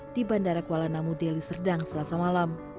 di bandara kuala namu deli serdang selasa malam